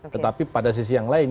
tetapi pada sisi yang lain